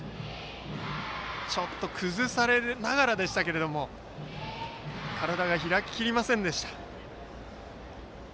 ちょっと崩されながらでしたけども体が開ききりませんでした。